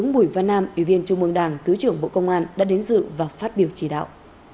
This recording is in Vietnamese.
bùi văn nam ủy viên trung mương đảng thứ trưởng bộ công an đã đến dự và phát biểu chỉ đạo